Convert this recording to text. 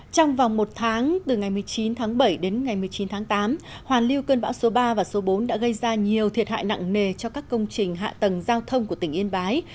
trong vòng một tháng từ ngày một mươi chín tháng bảy đến ngày một mươi chín tháng tám hoàn lưu cơn bão số ba và số bốn đã gây ra nhiều thiệt hại nặng nề cho các công trình hạ tầng giao thông của tỉnh yên bái